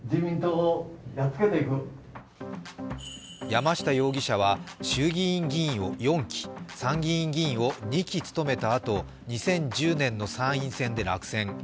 山下容疑者は衆議院議員を４期、参議院議員を２期務めたあと、２０１０年の参院選で落選。